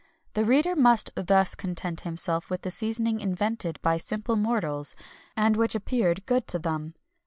The reader must thus content himself with the seasoning invented by simple mortals, and which appeared good to them.